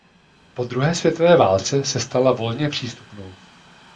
Po druhé světové válce se stala volné přístupnou.